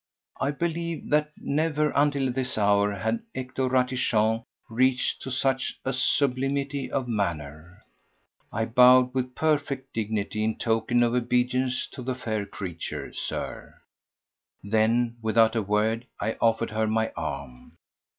I believe that never until this hour had Hector Ratichon reached to such a sublimity of manner. I bowed with perfect dignity in token of obedience to the fair creature, Sir; then without a word I offered her my arm.